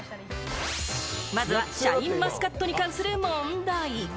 まずはシャインマスカットに関する問題。